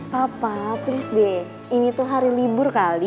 papa please deh ini tuh hari libur kali